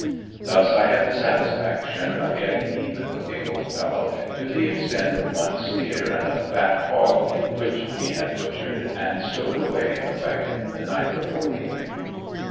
Thus I had the satisfaction of getting even with the old fellow to the extent of one steer and a fat hog which we had butchered and stowed away in the wagon the night before leaving.